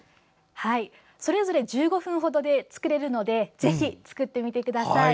それぞれ１５分程で作れるのでぜひ作ってみてください。